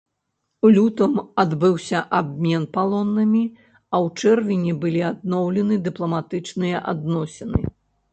У лютым адбыўся абмен палоннымі, а ў чэрвені былі адноўлены дыпламатычныя адносіны.